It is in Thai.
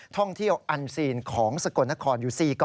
ท่องเที่ยวอันซีนของสกลนครอยู่๔ก